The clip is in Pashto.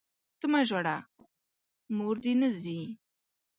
ته مه ژاړه ، موردي نه ځي!